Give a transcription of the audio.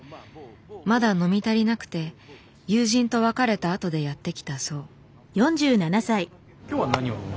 まだ飲み足りなくて友人と別れたあとでやって来たそう。